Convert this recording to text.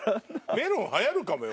メロン流行るかもよ